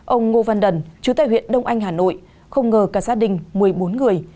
ông ngô văn đần chú tại huyện đông anh hà nội không ngờ cả gia đình một mươi bốn người